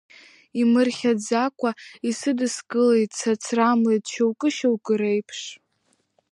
Имырхьааӡакәа исыдыскылеит, сацрамлеит шьоукы-шьоукы реиԥш.